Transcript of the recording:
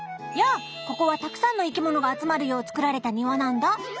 やあここはたくさんの生きものが集まるようつくられた庭なんだ。